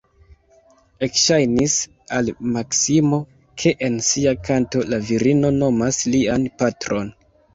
Ekŝajnis al Maksimo, ke en sia kanto la virino nomas lian patron.